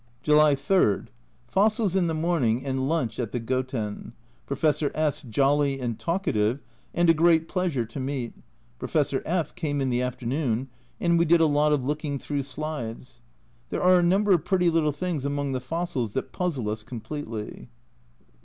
July 3. Fossils in the morning and lunch at the Goten ; Professor S jolly and talkative, and a great pleasure to meet. Professor F came in the afternoon, and we did a lot of looking through slides. There are a number of pretty little things among the fossils that puzzle us completely.